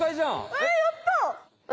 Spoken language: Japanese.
えっやった！